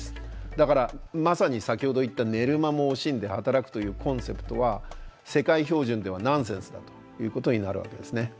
だからまさに先ほど言った寝る間も惜しんで働くというコンセプトは世界標準ではナンセンスだということになるわけですね。